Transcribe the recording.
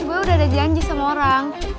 gue udah ada janji sama orang